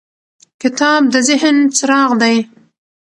کتاب د ذهن څراغ دی.